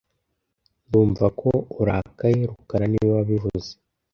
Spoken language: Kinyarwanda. Ndumva ko urakaye rukara niwe wabivuze